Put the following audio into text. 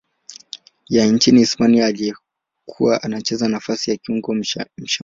ya nchini Hispania aliyekuwa anacheza nafasi ya kiungo mshambuliaji.